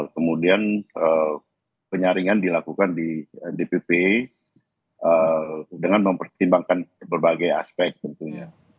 kemudian penyaringan dilakukan di dpp dengan mempertimbangkan berbagai aspek tentunya